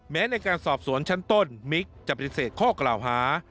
แม้ในการสอบสวนชั้นต้นมิกจะปฏิเสธข้อกล่าวหา